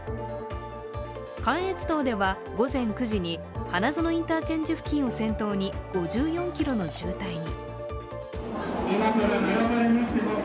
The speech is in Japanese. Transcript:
関越道では午前９時に花園インターチェンジ付近を先頭に５４ｋｍの渋滞に。